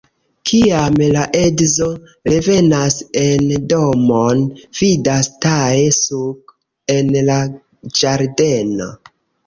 Kiam la edzo revenas en domon, vidas Tae-Suk en la ĝardeno.